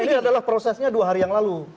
ini adalah prosesnya dua hari yang lalu